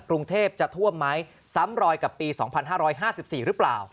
กรุงเทพจะท่วมไหมซ้ำรอยกับปี๒๕๕๔หรือเปล่า